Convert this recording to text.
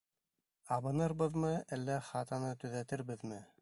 Абынырбыҙмы, әллә хатаны төҙәтербеҙме?